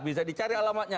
bisa dicari alamatnya